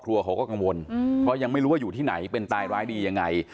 เขาก็กังวลเพราะยังไม่รู้ว่าอยู่ที่ไหนเป็นตายร้ายดียังไง